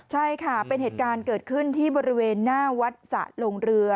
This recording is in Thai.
ใช่ค่ะเป็นเหตุการณ์เกิดขึ้นที่บริเวณหน้าวัดสะลงเรือ